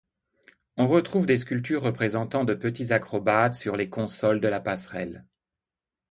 On retrouve des sculptures représentant de petits acrobates sur les consoles de la passerelle.